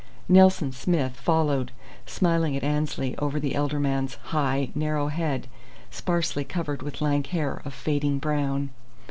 "Nelson Smith" followed, smiling at Annesley over the elder man's high, narrow head sparsely covered with lank hair of fading brown.